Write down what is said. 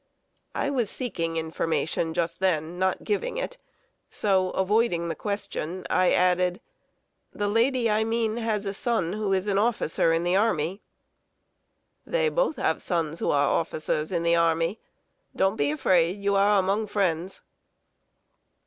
I was seeking information, just then, not giving it; so avoiding the question, I added: "The lady I mean, has a son who is an officer in the army." "They both have sons who are officers in the army. Don't be afraid; you are among friends."